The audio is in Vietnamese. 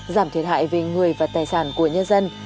giảm thiệt hại về người và tài sản của chúng ta